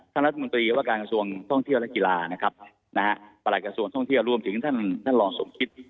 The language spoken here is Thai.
ท่านรัฐมนตรีว่าการกระทรวงท่องเที่ยวและกีฬานะครับประหลักกระทรวงท่องเที่ยวรวมถึงท่านรองสมคิด